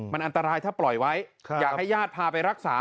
มันอันตรายถ้าปล่อยไว้อยากให้ญาติพาไปรักษา